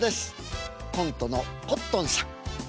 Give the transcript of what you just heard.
コントのコットンさん。